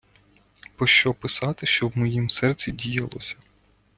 Пощо писати, що в моїм серці діялося?